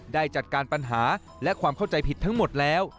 ได้จัดการปัญหาและความเข้าใจผิดทั้งหมดแล้ว